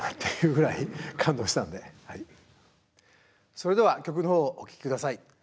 それでは曲の方をお聴き下さい。